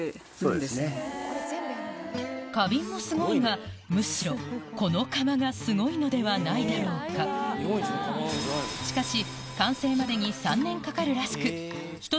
花瓶もすごいがむしろこの窯がすごいのではないだろうかしかし吉村さん。